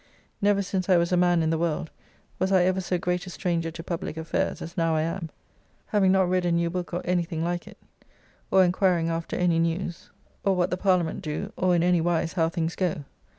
Never since I was a man in the world was I ever so great a stranger to public affairs as now I am, having not read a new book or anything like it, or enquiring after any news, or what the Parliament do, or in any wise how things go.